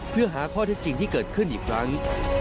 เพื่อหาข้อเท็จจริงที่เกิดขึ้นอีกครั้ง